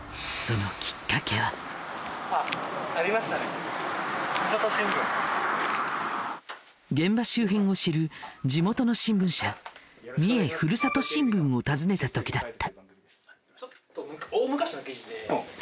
あっ現場周辺を知る地元の新聞社三重ふるさと新聞を訪ねたときだった。